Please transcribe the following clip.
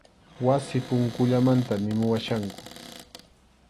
Wasi punkullamanta nimuwachkanku.